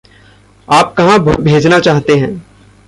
आप कहाँ भेजना चाह्ते हैं?